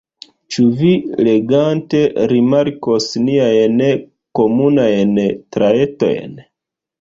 Ĉu vi legante rimarkos niajn komunajn trajtojn?